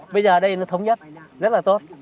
bây giờ ở đây nó thống nhất rất là tốt